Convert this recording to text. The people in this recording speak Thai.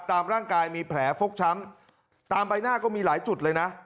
ตามร่างกายมีแผลฟกช้ำตามใบหน้าก็มีหลายจุดเลยนะ